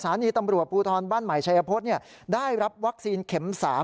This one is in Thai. นีตำรวจภูทรบ้านใหม่ชัยพฤษได้รับวัคซีนเข็ม๓